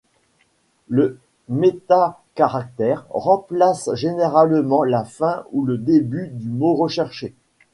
Le métacaractère remplace généralement la fin ou le début du mot recherché.